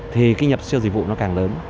thì cái nhập siêu dịch vụ nó càng lớn